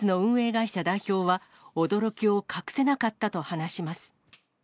会社代表は、驚きを隠せなかったと話します。